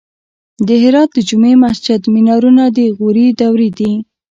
د هرات د جمعې مسجد مینارونه د غوري دورې دي